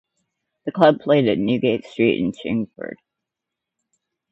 The club played at Newgate Street in Chingford.